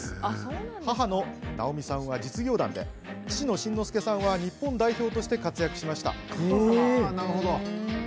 母の如美さんは実業団で父の慎之介さんは日本代表として活躍しました。